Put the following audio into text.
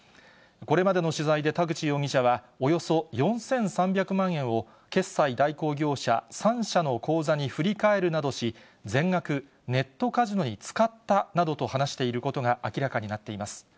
これまでの取材で田口容疑者は、およそ４３００万円を決済代行業者３社の口座に振り替えるなどし、全額ネットカジノに使ったなどと話していることが明らかになっています。